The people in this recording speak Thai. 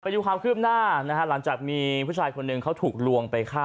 ดูความคืบหน้านะฮะหลังจากมีผู้ชายคนหนึ่งเขาถูกลวงไปฆ่า